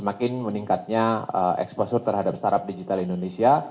bahwa semakin meningkatnya eksposur terhadap startup digital indonesia